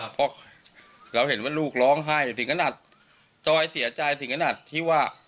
เพราะเราเห็นว่าลูกร้องไห้ถึงขนาดจอยเสียใจถึงขนาดที่ว่า